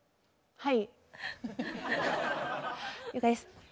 はい。